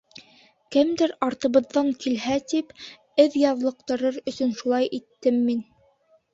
Кемдер артыбыҙҙын килһә тип, эҙ яҙлыҡтырыр өсөн шулай иттем мин.